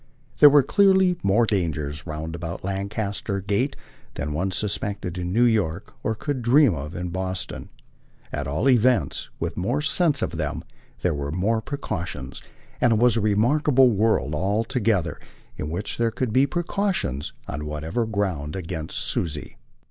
There were clearly more dangers roundabout Lancaster Gate than one suspected in New York or could dream of in Boston. At all events, with more sense of them, there were more precautions, and it was a remarkable world altogether in which there could be precautions, on whatever ground, against Susie.